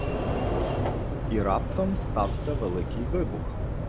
І раптом стався Великий Вибух